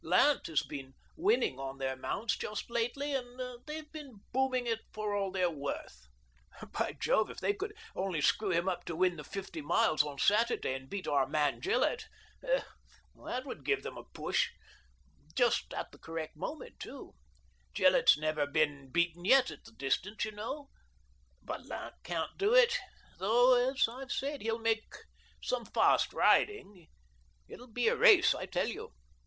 Lant has been winning on their mounts just lately, and they've been booming it for all they're worth. By Jove, if they could only screw him up to win the fifty miles on Saturday, and beat our man Gillett, that would give them a push ! Just at the correct moment too. Gillett's never been beaten yet at the distance, you know. But Lant can't do it "AVALANCHE BICYCLE AND TYRE CO., LTD." 161 — though, as I have said, he'll make some fast riding — it'll be a race, I tell you